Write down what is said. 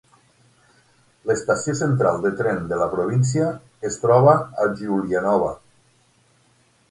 L'estació central de tren de la província es troba a Giulianova.